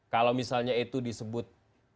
kalau misalnya itu disebut